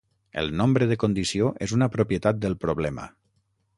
El nombre de condició és una propietat del problema.